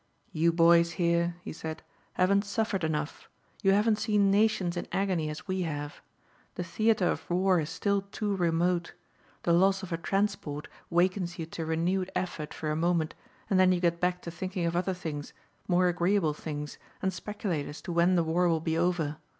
"You boys, here," he said, "haven't suffered enough. You haven't seen nations in agony as we have. The theater of war is still too remote. The loss of a transport wakens you to renewed effort for a moment and then you get back to thinking of other things, more agreeable things, and speculate as to when the war will be over.